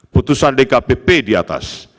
putusan dkpp di atas